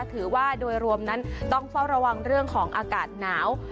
ถือว่าโดยรวมนั้นต้องเฝ้าระวังเรื่องของอากาศหนาว